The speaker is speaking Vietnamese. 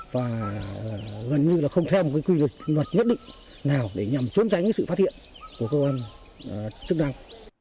và gần như là không theo một quy luật nhất định nào để nhằm trốn tránh sự phát hiện của cơ quan chức năng